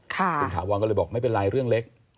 คุณถาวรก็เลยบอกไม่เป็นไรเรื่องเล็ก